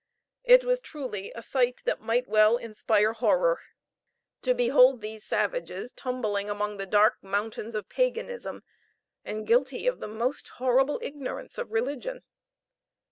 It was truly a sight that might well inspire horror, to behold these savages tumbling among the dark mountains of paganism, and guilty of the most horrible ignorance of religion.